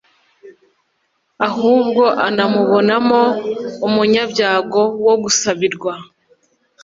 ahubwo unamubonamo umunyabyago wo gusabirwa